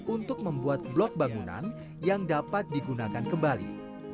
untuk membuat blok bangunan yang dapat digunakan kembali